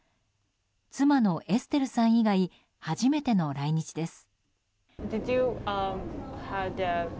妻のエステルさん以外初めての来日です。